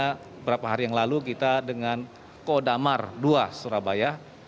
beberapa hari yang lalu kita dengan kodamar ii surabaya